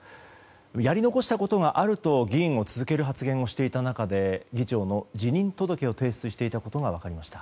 やり残したことがあると議員を続ける発言をしていた中で議長の辞任届を提出していたことが分かりました。